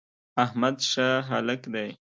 احمد ښه هلک دی.